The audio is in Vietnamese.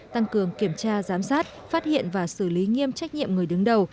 tăng cường kiểm tra giám sát phát hiện và xử lý nghiêm trách nhiệm người đứng đầu